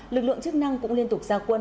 lực lượng chức năng cũng liên tục ra quân